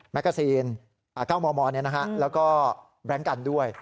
แกซีน๙มมแล้วก็แบล็งกันด้วย